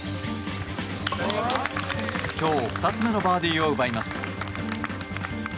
今日２つ目のバーディーを奪います。